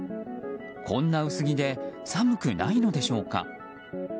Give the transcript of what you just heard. こんな薄着で寒くないのでしょうか。